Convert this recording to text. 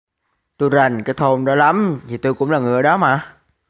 Tôi rành cái thôn đấy lắm vì tôi cũng là người ở đó mà